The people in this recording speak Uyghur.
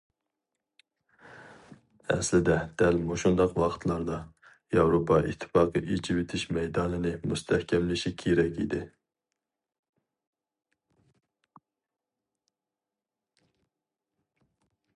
ئەسلىدە، دەل مۇشۇنداق ۋاقىتلاردا، ياۋروپا ئىتتىپاقى ئېچىۋېتىش مەيدانىنى مۇستەھكەملىشى كېرەك ئىدى.